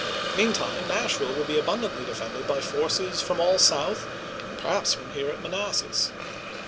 Meantime NashviUe will be abun dantly defended by forces from all South and perhaps from here at Manassas.